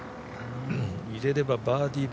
入れればバーディー、